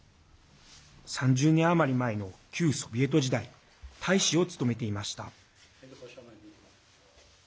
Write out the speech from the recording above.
３０年余り前の旧ソビエト時代大使を務めていました。